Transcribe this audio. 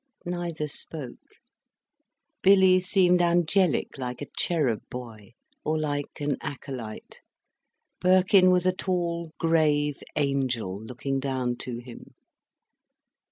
Neither spoke. Billy seemed angelic like a cherub boy, or like an acolyte, Birkin was a tall, grave angel looking down to him.